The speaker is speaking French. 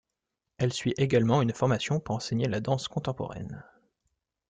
Elle suit également une formation pour enseigner la danse contemporaine.